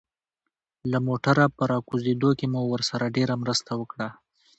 له موټره په راکوزېدو کې مو ورسره ډېره مرسته وکړه.